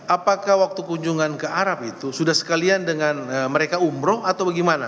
apakah waktu kunjungan ke arab itu sudah sekalian dengan mereka umroh atau bagaimana